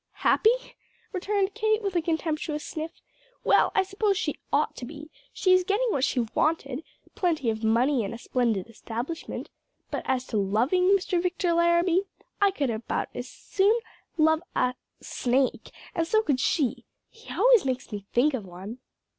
"Happy?" returned Kate, with a contemptuous sniff. "Well, I suppose she ought to be; she is getting what she wanted plenty of money and a splendid establishment; but as to loving Mr. Victor Larrabee I could about as soon love a snake; and so could she. He always makes me think of one."